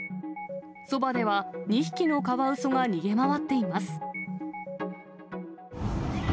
そばでは、２匹のカワウソが逃げ回っています。